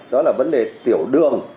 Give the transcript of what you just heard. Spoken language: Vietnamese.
đó là vấn đề tiểu đường